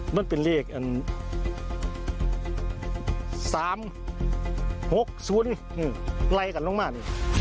มันเป็นเลขสามหกศูนย์ไล่กับน้องม่าน